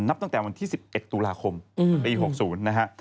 นับตั้งแต่วันที่๑๑ตุลาคมปี๖๐นะฮะ